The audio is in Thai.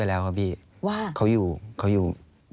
อันดับ๖๓๕จัดใช้วิจิตร